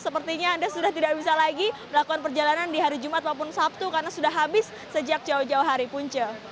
apalagi melakukan perjalanan di hari jumat maupun sabtu karena sudah habis sejak jauh jauh hari punca